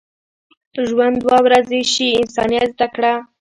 ژوند دوه ورځې شي، انسانیت زده کړه.